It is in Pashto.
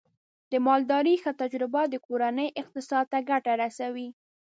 د مالدارۍ ښه تجربه د کورنۍ اقتصاد ته ګټه رسوي.